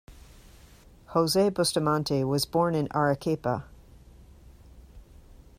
José Bustamante was born in Arequipa.